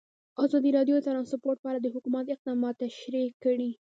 ازادي راډیو د ترانسپورټ په اړه د حکومت اقدامات تشریح کړي.